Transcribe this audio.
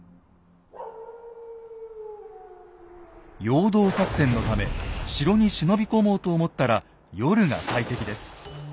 陽動作戦のため城に忍び込もうと思ったら夜が最適です。